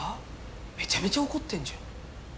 めちゃめちゃ怒ってんじゃん。